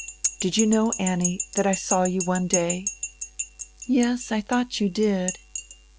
"Did you know, Annie, that I saw you one day?" "Yes, I thought you did."